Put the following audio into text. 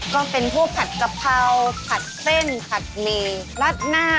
ก็เป็นพวกผัดกะเพราผัดเส้นผัดหมี่รัดหน้า